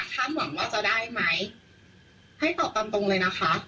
หวังว่าจะได้ไหมให้ตอบตามตรงเลยนะคะ